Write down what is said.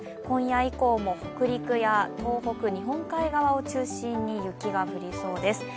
今夜以降も北陸や東北、日本海側を中心に雪が降りそうです。